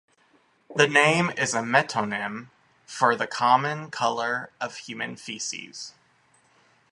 The name is a metonym for the common colour of human feces.